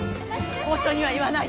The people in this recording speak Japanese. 夫には言わないで！